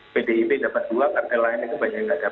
pdib dapat dua kartel lainnya kebanyakan dapat golkar satu